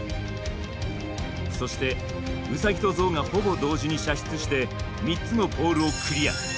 そしてウサギとゾウがほぼ同時に射出して３つのポールをクリア。